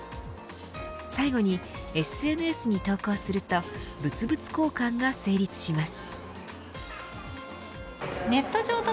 最後にＳＮＳに投稿すると物々交換が成立します。